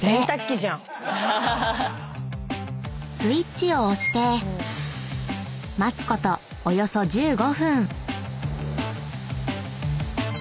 ［スイッチを押して待つことおよそ１５分］